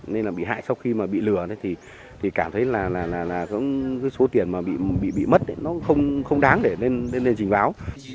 nên là bị hại sau khi mà bị lừa thì cảm thấy là cái số tiền mà bị mất nó không đáng để lên trình báo